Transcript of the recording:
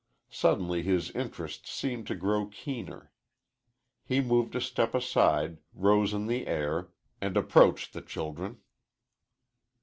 Suddenly his interest seemed to grow keener. He moved a step aside, rose in the air, and approached the children.